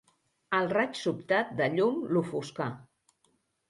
El raig sobtat de llum l'ofuscà.